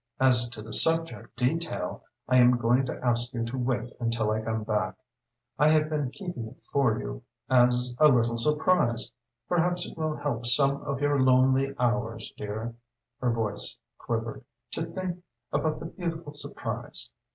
As to the subject, detail, I am going to ask you to wait until I come back. I have been keeping it for you as a little surprise. Perhaps it will help some of your lonely hours, dear" her voice quivered "to think about the beautiful surprise.